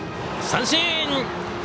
三振。